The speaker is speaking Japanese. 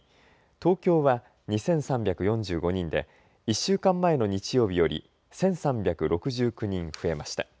東京は２３４５人で１週間前の日曜日より１３６９人増えました。